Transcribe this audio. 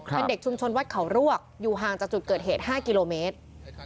เป็นเด็กชุมชนวัดเขารวกอยู่ห่างจากจุดเกิดเหตุ๕กิโลเมตร